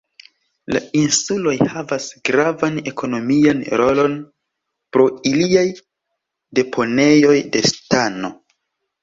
La insuloj havas gravan ekonomian rolon pro iliaj deponejoj de stano.